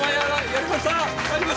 やりました。